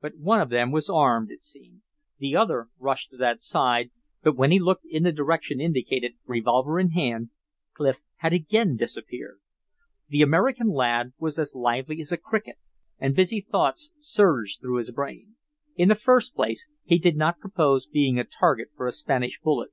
But one of them was armed, it seemed. The other rushed to that side, but when he looked in the direction indicated, revolver in hand, Clif had again disappeared. The American lad was as lively as a cricket, and busy thoughts surged through his brain. In the first place, he did not propose being a target for a Spanish bullet.